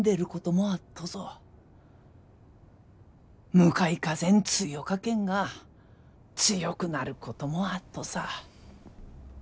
向かい風ん強かけんが強くなることもあっとさ。